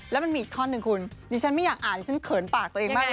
แล้วมันมีอีกท่อนหนึ่งคุณดิฉันไม่อยากอ่านดิฉันเขินปากตัวเองมากเลย